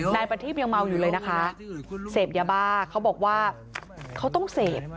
นายประทีพยังเมาอยู่เลยนะคะเสพยาบ้าเขาบอกว่าเขาต้องเสพ